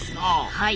はい。